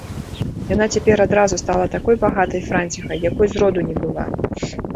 Яна цяпер адразу стала такой багатай франціхай, якой з роду не была.